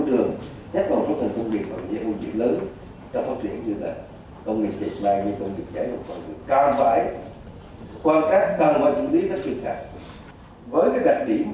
để phát triển kinh tế lâm nghiệp của cả nước